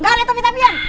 gak ada tapi tapian